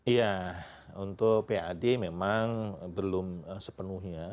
iya untuk pad memang belum sepenuhnya